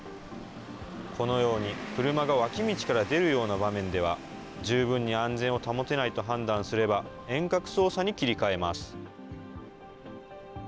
このように車が脇道から出るような場面では、十分に安全を保てないと判断すれば、遠隔操作に切り替えます。